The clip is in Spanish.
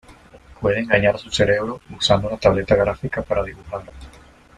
Puede engañar a su cerebro usando una tableta gráfica para dibujar.